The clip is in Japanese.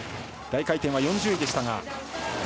大回転は４０位でしたが。